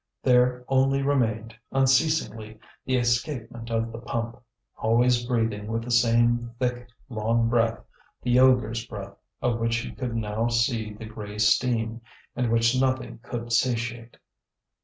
There only remained, unceasingly, the escapement of the pump, always breathing with the same thick, long breath, the ogre's breath of which he could now see the grey steam, and which nothing could satiate.